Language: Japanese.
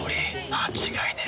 間違いねえ。